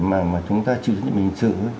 mà chúng ta chịu dịch bình sự